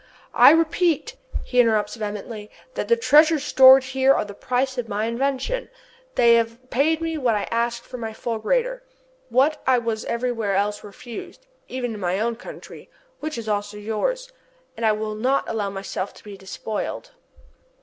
"I repeat," he interrupts vehemently, "that the treasures stored here are the price of my invention. They have paid me what I asked for my fulgurator what I was everywhere else refused even in my own country which is also yours and I will not allow myself to be despoiled!"